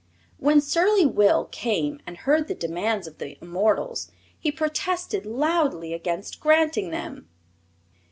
When surly Will came and heard the demands of the immortals he protested loudly against granting them.